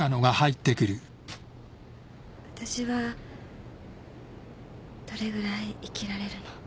わたしはどれぐらい生きられるの？